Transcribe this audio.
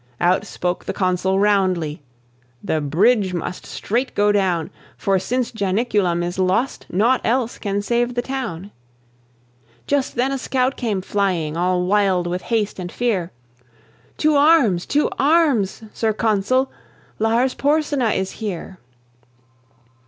Out spoke the Consul roundly: "The bridge must straight go down; For, since Janiculum is lost, Naught else can save the town." Just then a scout came flying, All wild with haste and fear: "To arms! to arms! Sir Consul; Lars Porsena is here."